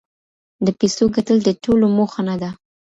د پیسو ګټل د ټولو موخه نه ده.